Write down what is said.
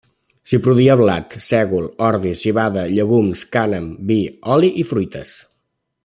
S'hi produïa blat, sègol, ordi, civada, llegums, cànem, vi, oli i fruites.